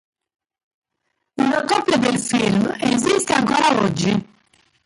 Una copia del film esiste ancora oggi.